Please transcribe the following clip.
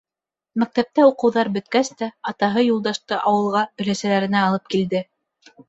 Мәктәптә уҡыуҙар бөткәс тә, атаһы Юлдашты ауылға өләсәләренә алып килде.